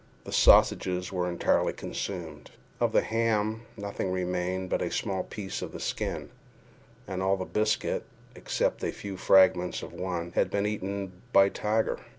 The sausages were entirely consumed; of the ham nothing remained but a small piece of the skin; and all the biscuit, except a few fragments of one, had been eaten by Tiger.